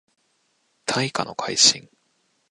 大化の改新